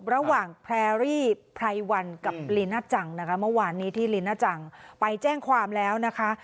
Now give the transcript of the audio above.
แพรรี่ไพรวันกับลีน่าจังนะคะเมื่อวานนี้ที่ลีน่าจังไปแจ้งความแล้วนะคะ